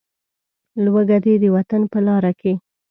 لوږه دې د وطن په لاره کې.